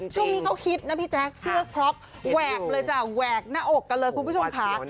ช่วงนี้เขาคิดนะพี่แจ๊คเสื้อคร็อกแหวกเลยจ้ะแหวกหน้าอกกันเลยคุณผู้ชมค่ะ